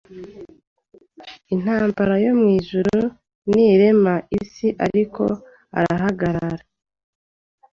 intambara yo mu Ijuru n'irema ry'isi ariko arahagarara